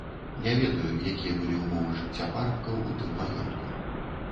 Не ведаю, якія былі ўмовы жыцця парабкаў у тым маёнтку.